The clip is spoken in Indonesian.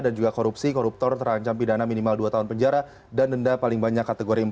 dan juga korupsi koruptor terancam pidana minimal dua tahun penjara dan denda paling banyak kategori empat